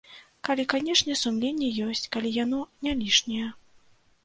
Калі, канешне, сумленне ёсць, калі яно не лішняе.